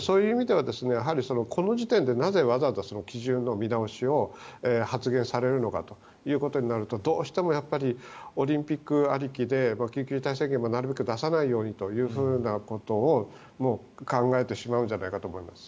そういう意味では、この時点でなぜ、わざわざ基準の見直しを発言されるのかということになるとどうしてもオリンピックありきで緊急事態宣言もなるべく出さないようにということをもう考えてしまうんじゃないかと思います。